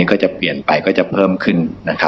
ก็จะเปลี่ยนไปก็จะเพิ่มขึ้น